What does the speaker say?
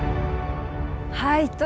はい。